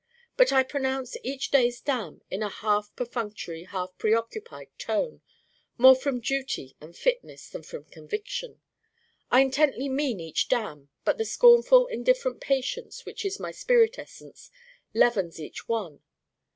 But I pronounce each day's Damn in a half perfunctory half preoccupied tone, more from duty and fitness than from conviction. I intently mean each Damn, but the scornful indifferent patience which is my spirit essence leavens each one.